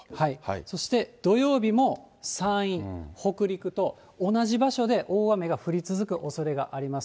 そして土曜日も山陰、北陸と、同じ場所で大雨が降り続くおそれがあります。